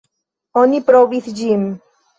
Oni aprobis ĝin.